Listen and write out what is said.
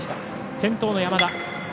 先頭の山田。